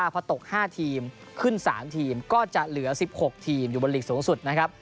พอตก๕ทีมขึ้น๓ทีมก็จะเหลือ๑๖ทีมอยู่บนหลีกสูงสุดนะครับ